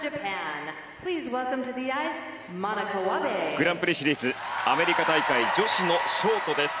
グランプリシリーズアメリカ大会女子のショートです。